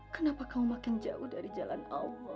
kenapa kau makin jauh dari jalan allah